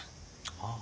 ああ。